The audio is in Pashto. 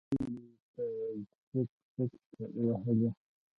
نورو ورته چکچکې وهلې.